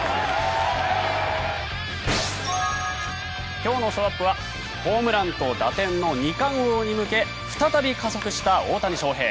今日のショーアップはホームランと打点王の２冠に向け再び加速した大谷翔平。